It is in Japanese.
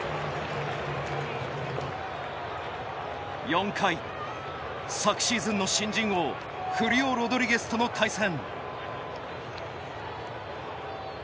４回昨シーズンの新人王フリオ・ロドリゲスとの対戦。